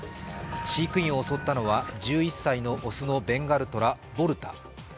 飼育員を襲ったのは１１歳の雄のベンガルトラ、ボルタ。